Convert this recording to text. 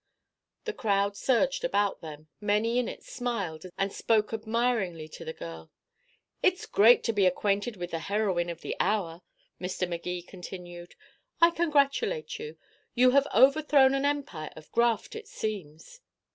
The crowd surged about them; many in it smiled and spoke admiringly to the girl. "It's great to be acquainted with the heroine of the hour," Mr. Magee continued. "I congratulate you. You have overthrown an empire of graft, it seems."